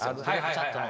チャットの。